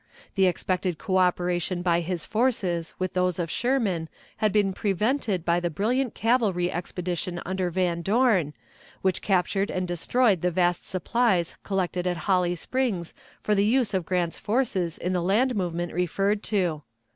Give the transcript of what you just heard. The expected coöperation by his forces with those of Sherman had been prevented by the brilliant cavalry expedition under Van Dorn, which captured and destroyed the vast supplies collected at Holly Springs for the use of Grant's forces in the land movement referred to.